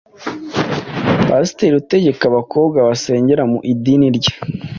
Pasiteri utegeka abakobwa basengera mu idini rye